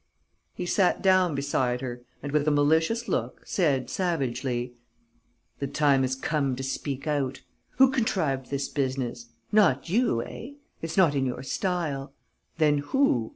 He sat down beside her and, with a malicious look, said, savagely: "The time has come to speak out. Who contrived this business? Not you; eh? It's not in your style. Then who?...